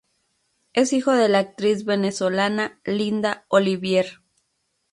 Es hijo de la actriz venezolana Linda Olivier.